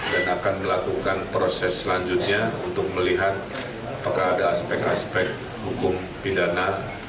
dan akan melakukan proses selanjutnya untuk melihat apakah ada aspek aspek hukum pidana